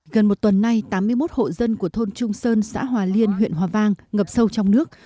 gần một tuần nay tám mươi một hộ dân của thôn trung sơn xã hòa liên huyện hòa vang ngập sâu trong nước